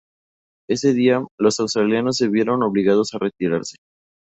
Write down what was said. Ese día, los australianos se vieron obligados a retirarse.